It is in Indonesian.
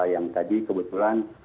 yang tadi kebetulan